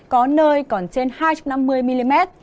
có nơi còn trên hai trăm năm mươi mm